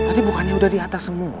tadi bukannya udah di atas semua